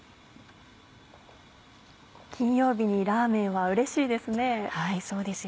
金曜日にラーメンはうれしいですね。